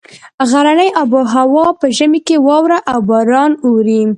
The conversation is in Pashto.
غرني آب هوا په ژمي کې واوره او باران اوري.